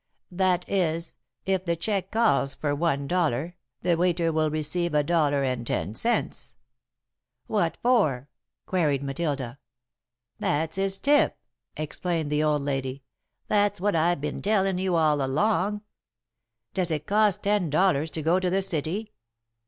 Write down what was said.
That is, if the check calls for one dollar, the waiter will receive a dollar and ten cents.'" [Sidenote: Ten Per Cent] "What for?" queried Matilda. "That's his tip," explained the old lady. "That's what I've been tellin' you all along." "Does it cost ten dollars to go to the city?"